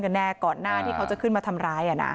แน่ก่อนหน้าที่เขาจะขึ้นมาทำร้าย